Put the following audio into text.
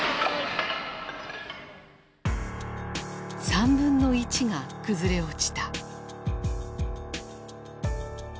３分の１が崩れ落ちた。